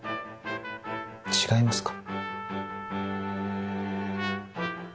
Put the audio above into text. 違いますか？